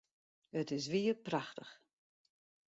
It is wier prachtich!